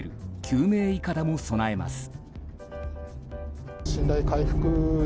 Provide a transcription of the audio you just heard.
救命いかだも備えます。